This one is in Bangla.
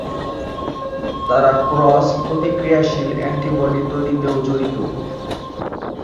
তারা ক্রস-প্রতিক্রিয়াশীল অ্যান্টিবডি তৈরিতেও জড়িত।